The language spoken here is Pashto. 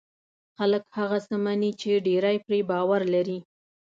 خلک هغه څه مني چې ډېری پرې باور لري.